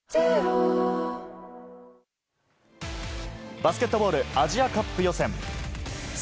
バスケットボールアジアカップ予選。